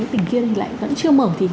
tỉnh kia thì lại vẫn chưa mở